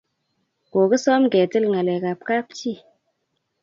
Kagisoman ketil ngalekab kapchii